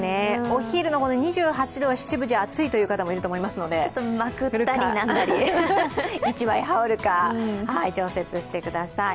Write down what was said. お昼の２８度は七分じゃ暑いという方もいると思うのでまくるか、１枚羽織るか調節してください。